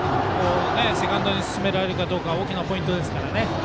セカンドに進められるかどうか大きなポイントですからね。